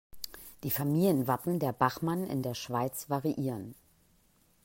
Die Familienwappen der Bachmann in der Schweiz variieren.